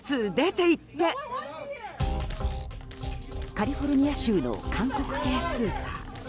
カリフォルニア州の韓国系スーパー。